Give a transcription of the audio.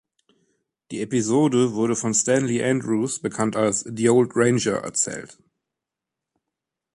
Die Episode wurde von Stanley Andrews, bekannt als "The Old Ranger", erzählt.